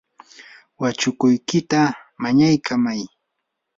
wachukuykita mañaykamay.